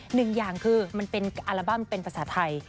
หนึ่งอย่างคือมันเป็นอัลบั้มเป็นภาษาไทย